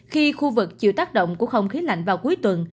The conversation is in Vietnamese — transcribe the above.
khi khu vực chịu tác động của không khí lạnh vào cuối tuần